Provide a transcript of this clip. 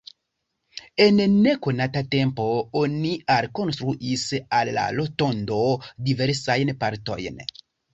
En nekonata tempo oni alkonstruis al la rotondo diversajn partojn.